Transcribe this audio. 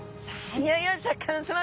いよいよシャーク香音さま